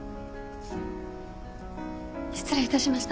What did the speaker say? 失礼いたしました。